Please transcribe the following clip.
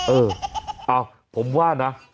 เอ้าผมว่าน่ะ